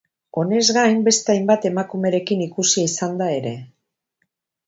Honez gain, beste hainbat emakumerekin ikusia izan da ere.